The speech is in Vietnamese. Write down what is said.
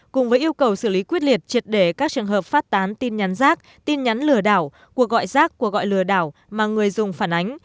cùng với yêu cầu xử lý quyết liệt triệt để các trường hợp phát tán tin nhắn rác tin nhắn lừa đảo cuộc gọi rác cuộc gọi lừa đảo mà người dùng phản ánh